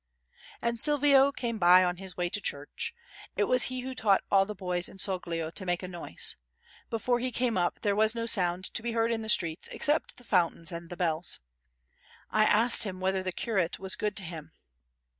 And Silvio came by on his way to church. It was he who taught all the boys in Soglio to make a noise. Before he came up there was no sound to be heard in the streets, except the fountains and the bells. I asked him whether the curate was good to him.